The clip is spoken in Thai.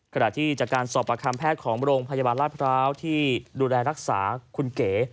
ขณะที่จากการสอบประคัมแพทย์ของโรงพยาบาลราชพร้าวที่ดูแลรักษาคุณเก๋